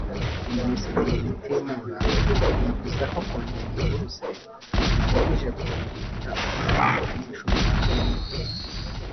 Minisitiri Mutimura yavuze ko kongera iyi buruse bigamije kongerera ubushobozi abanyeshuri ba Kaminuza